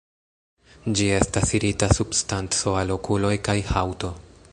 Ĝi estas irita substanco al okuloj kaj haŭto.